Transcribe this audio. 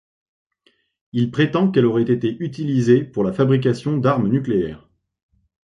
Il prétend qu'elle aurait été utilisée pour la fabrication d'armes nucléaires.